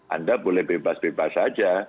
anda boleh bebas bebas saja